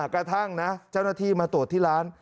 กระทั่งนะเจ้าหน้าที่มาตรวจที่ร้าน